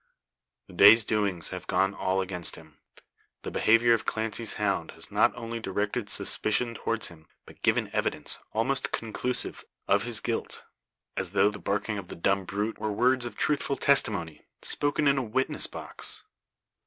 The day's doings have gone all against him. The behaviour of Clancy's hound has not only directed suspicion towards him, but given evidence, almost conclusive, of his guilt; as though the barking of the dumb brute were words of truthful testimony, spoken in a witness box!